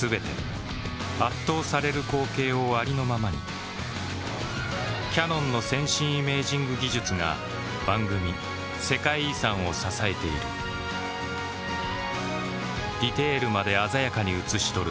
全て圧倒される光景をありのままにキヤノンの先進イメージング技術が番組「世界遺産」を支えているディテールまで鮮やかに映し撮る